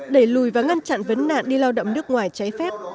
đẩy lùi và ngăn chặn vấn nạn đi lao động nước ngoài trái phép